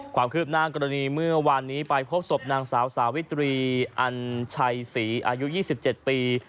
ความคืบหน้ากรณีเมื่อวานนี้ไปพบศพนางสาวสาวิตรีอันชัยศรีอายุ๒๗ปี